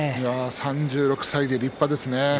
３６歳で立派ですね。